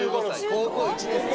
高校１年生。